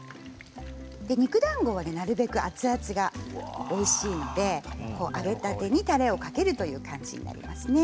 肉だんごはなるべく熱々がおいしいので揚げたてにたれをかけるという感じになりますね。